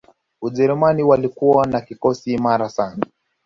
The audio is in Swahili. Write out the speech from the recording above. Ujerumani walikuwa na kikosi imara sana